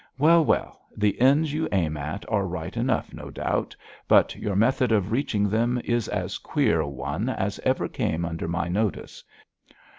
Well, well, the ends you aim at are right enough, no doubt, but your method of reaching them is as queer a one as ever came under my notice.